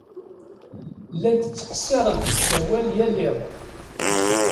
Llant ttqeṣṣirent deg usawal yal iḍ.